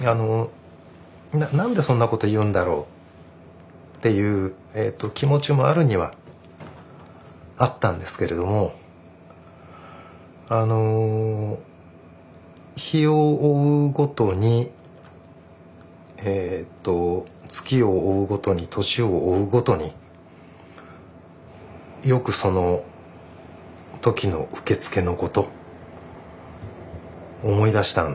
何でそんなこと言うんだろうっていう気持ちもあるにはあったんですけれどもあの日を追うごとにえと月を追うごとに年を追うごとによくその時の受付のこと思い出したんですよね。